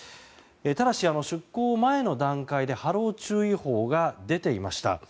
ただし、出航前の段階で波浪注意報が出ていました。